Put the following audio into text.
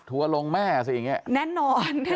ถัวลงแม่สิอย่างนี้